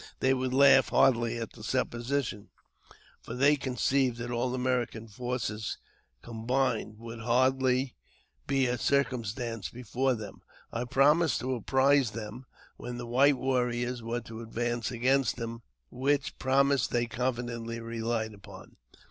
They would laugh heartily at the sup position, for they conceived that all the American forces com bined would hardly be a circumstance before them. I promised to apprise them when the white warriors were to advance against them, which promise they confidently rehed upon.